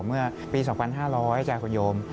เมื่อปี๒๕๐๐จ้ะคุณโยม